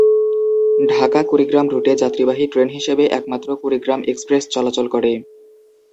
ঢাকা-কুড়িগ্রাম রুটে যাত্রীবাহী ট্রেন হিসেবে একমাত্র কুড়িগ্রাম এক্সপ্রেস চলাচল করে।